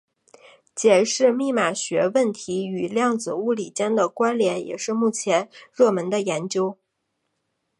检视密码学问题与量子物理间的关连也是目前热门的研究。